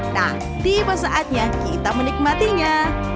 nah tiba saatnya kita menikmatinya